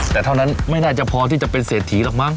แต่เท่านั้นไม่ได้พอที่จะเป็นเศรษฐีหรอกบ้าง